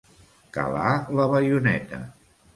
Calar la baioneta.